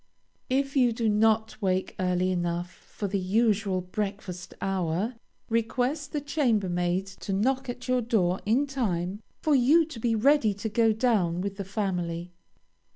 If you do not wake early enough for the usual breakfast hour, request the chambermaid to knock at your door in time for you to be ready to go down with the family.